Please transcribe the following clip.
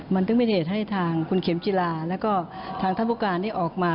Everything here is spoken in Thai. มันจึงมีเทศให้ทางคุณเขียมฝรายและทางท่านพวกการที่อกมา